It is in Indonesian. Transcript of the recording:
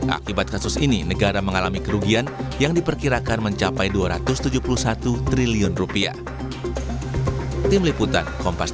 akibat kasus ini negara mengalami kerugian yang diperkirakan mencapai dua ratus tujuh puluh satu triliun rupiah